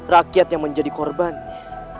rakyat yang menjadi korbannya